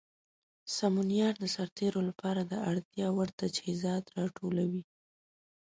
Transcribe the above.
سمونیار د سرتیرو لپاره د اړتیا وړ تجهیزات راټولوي.